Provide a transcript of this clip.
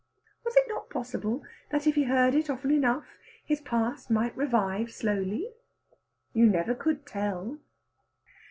Was it not possible that if he heard it often enough his past might revive slowly? You never could tell!